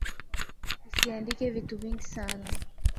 Usiandike vitu vingi sana.